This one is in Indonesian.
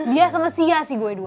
dia sama sia sih gue dua